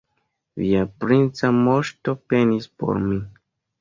Via princa moŝto penis por mi.